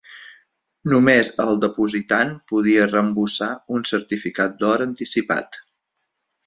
Només el depositant podia reembossar un certificat d'or anticipat.